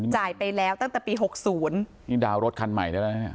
จ่ายไปแล้วตั้งแต่ปีหกศูนย์นี่ดาวน์รถคันใหม่ได้แล้วนะเนี่ย